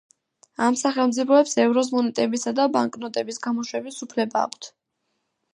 ამ სახელმწიფოებს ევროს მონეტებისა და ბანკნოტების გამოშვების უფლება აქვთ.